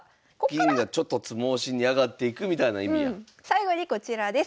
最後にこちらです。